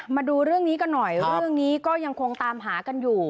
มาดูเรื่องนี้กันหน่อยเรื่องนี้ก็ยังคงตามหากันอยู่